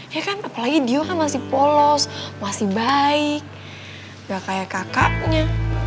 ya kan apalagi dio kan masih polos masih baik gak kayak kakaknya